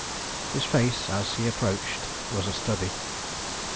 His face, as he approached, was a study.